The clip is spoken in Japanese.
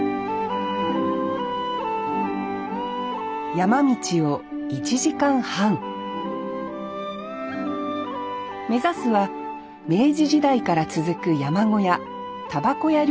山道を１時間半目指すは明治時代から続く山小屋煙草屋旅館です